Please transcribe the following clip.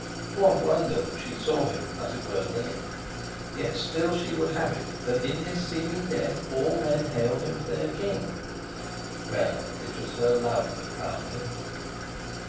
What wonder that she saw him, as it were, dead? Yet still she would have it that, in his seeming death, all men hailed him for their king. Well, it was her love that crowned him.